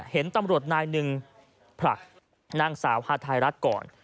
เห็นตำรวจนายหนึ่งผลักนางสาวฮาไทยรัฐก่อน